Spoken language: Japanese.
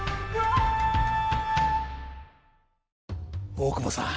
大久保さん。